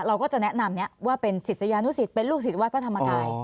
เราก็จะแนะนำนี้ว่าเป็นศิษยานุสิตเป็นลูกศิษย์วัดพระธรรมกาย